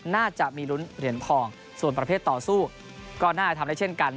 น่าจะมีลุ้นเหรียญทองส่วนประเภทต่อสู้ก็น่าจะทำได้เช่นกัน